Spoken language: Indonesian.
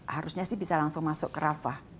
harusnya sih bisa langsung masuk ke rafah